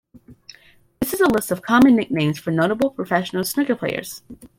This is a list of common nicknames for notable professional snooker players.